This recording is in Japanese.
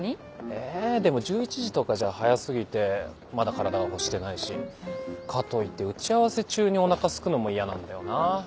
えでも１１時とかじゃ早過ぎてまだ体が欲してないしかといって打ち合わせ中にお腹すくのも嫌なんだよな。